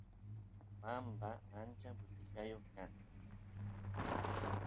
bamba achka butijayoq kan